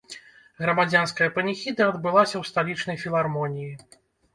Грамадзянская паніхіда адбылася ў сталічнай філармоніі.